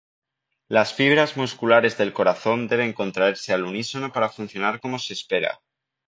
Las fibras musculares del corazón deben contraerse al unísono para funcionar como se espera.